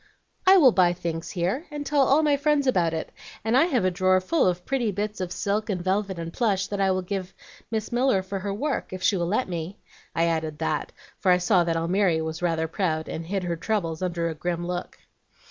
"'I will buy things here, and tell all my friends about it, and I have a drawer full of pretty bits of silk and velvet and plush, that I will give Miss Miller for her work, if she will let me.' I added that, for I saw that Almiry was rather proud, and hid her troubles under a grim look.